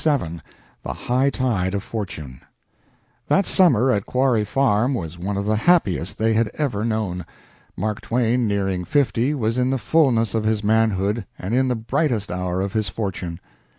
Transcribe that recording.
XLVII THE HIGH TIDE OF FORTUNE That summer at Quarry Farm was one of the happiest they had ever known. Mark Twain, nearing fifty, was in the fullness of his manhood and in the brightest hour of his fortune.